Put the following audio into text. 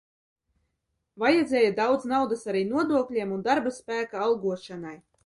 Vajadzēja daudz naudas arī nodokļiem un darba spēka algošanai.